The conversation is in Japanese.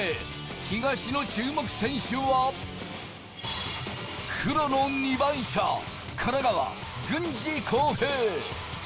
東の注目選手は、黒の２番車・神奈川・郡司浩平。